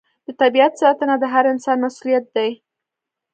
د طبیعت ساتنه د هر انسان مسوولیت دی.